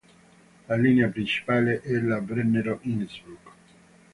La linea principale è la Brennero–Innsbruck.